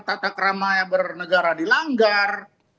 tata keramah yang bernegara dilanggar